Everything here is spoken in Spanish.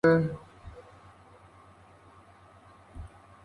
Actualmente reside en Hollywood California.